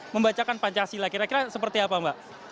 membacakan pancasila kira kira seperti apa mbak